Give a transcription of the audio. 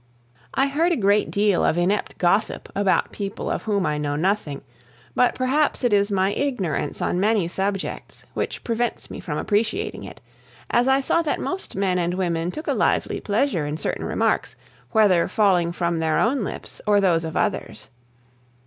I heard a great deal of inept gossip about people of whom I know nothing; but perhaps it is my ignorance on many subjects which prevents me from appreciating it, as I saw that most men and women took a lively pleasure in certain remarks, whether falling from their own lips or those of others.